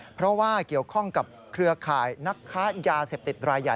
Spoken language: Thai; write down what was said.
เพราะว่าเกี่ยวข้องกับเครือข่ายนักค้ายาเสพติดรายใหญ่